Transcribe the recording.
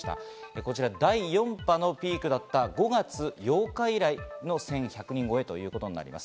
こちら第４波のピークだった５月８日以来の１１００人超えということになります。